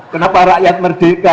kenapa rakyat merdeka